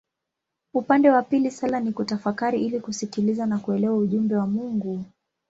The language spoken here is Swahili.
Upande wa pili sala ni kutafakari ili kusikiliza na kuelewa ujumbe wa Mungu.